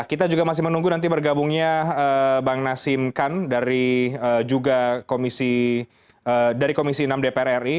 kita juga masih menunggu nanti bergabungnya bang nasim khan dari komisi enam dpr ri